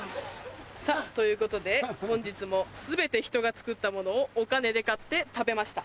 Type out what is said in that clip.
さぁということで本日も全て人が作ったものをお金で買って食べました。